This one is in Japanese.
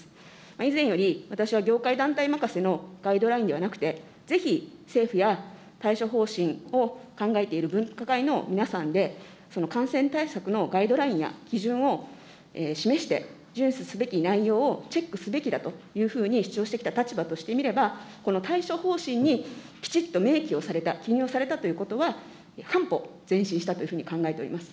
以前より、私は業界団体任せのガイドラインではなくて、ぜひ政府や、対処方針を考えている分科会の皆さんで感染対策のガイドラインや基準を示して、順守すべき内容をチェックすべきだというふうに主張してきた立場としてみれば、この対処方針にきちっと明記をされた、記入をされたということは半歩前進したというふうに考えています。